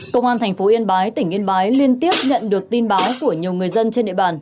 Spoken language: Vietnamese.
công an thành phố yên bái tỉnh yên bái liên tiếp nhận được tin báo của nhiều người dân trên địa bàn